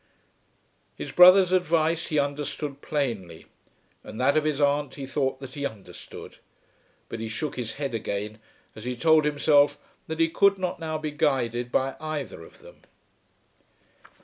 His brother's advice he understood plainly, and that of his aunt he thought that he understood. But he shook his head again as he told himself that he could not now be guided by either of them.